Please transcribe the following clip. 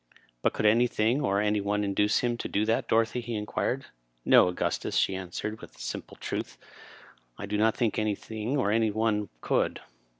" But could anything or any one induce him to do that, Dorothy?" he inquired. "No, Augustus," she answered, with simple truth, "I do not think anything or any one could."